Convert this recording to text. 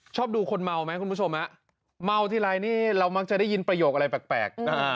ชอบดูคนเมาไหมคุณผู้ชมเมาทีไรนี่เรามักจะได้ยินประโยคอะไรแปลก